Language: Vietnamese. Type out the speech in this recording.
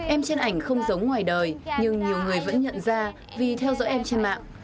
em trên ảnh không giống ngoài đời nhưng nhiều người vẫn nhận ra vì theo dõi em trên mạng